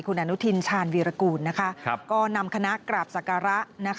คุณอนุทินชาญวีรกูลก็นำคณะกราบศักระ